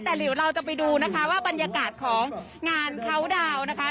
แต่หรือเราจะไปดูนะคะว่าบรรยากาศของงานเคาน์ดาวนะคะ